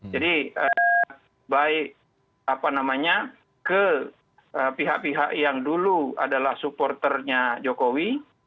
jadi baik ke pihak pihak yang dulu adalah supporternya jokowi